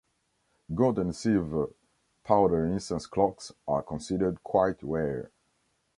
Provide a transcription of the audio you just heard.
Gold and silver powder incense clocks are considered quite rare.